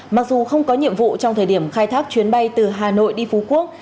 mặc dù không có nhiệm vụ trong thời điểm khai thác chuyến bay từ hà nội đi phú quốc